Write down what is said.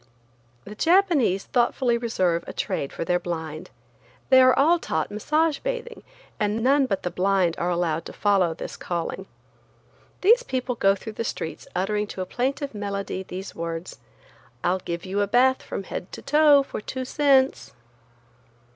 The Japanese thoughtfully reserve a trade for their blind. They are all taught massage bathing, and none but the blind are allowed to follow this calling. These people go through the streets uttering to a plaintive melody these words: "I'll give you a bath from head to toe for two cents."